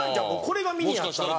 これがミニやったら。